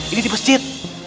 ini di masjid